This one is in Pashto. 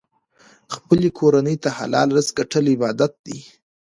خپلې کورنۍ ته حلال رزق ګټل عبادت دی.